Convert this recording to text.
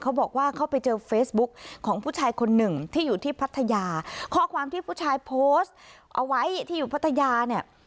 เขาบอกว่าเขาไปเจอเฟซบุ๊กของผู้ชายคนหนึ่งที่อยู่ที่พัทยาข้อความที่ผู้ชายโพสต์เอาไว้ที่อยู่พัทยาเนี่ย